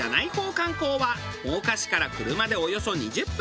観光は真岡市から車でおよそ２０分